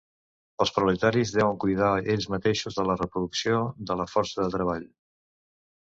Els proletaris deuen cuidar ells mateixos de la reproducció de la força de treball.